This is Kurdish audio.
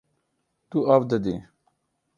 Tu av didî.